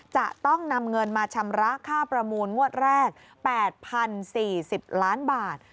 จะต้องนำเงินมาชำระค่าประมูลงวดแรก๘๐๔๐ล้านบาท